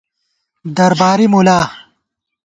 درباری مُلا